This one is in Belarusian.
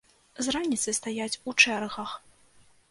З раніцы стаяць у чэргах!